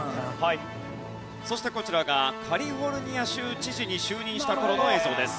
そしてこちらがカリフォルニア州知事に就任した頃の映像です。